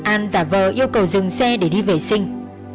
an và vợ yêu cầu dừng xe để đi vệ sinh